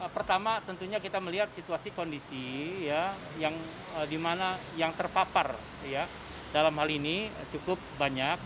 pertama tentunya kita melihat situasi kondisi yang terpapar dalam hal ini cukup banyak